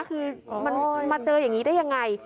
คือมันมาเจออย่างนี้ได้ยังไง